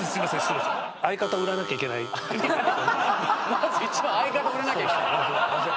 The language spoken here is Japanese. まず一番相方売らなきゃいけない。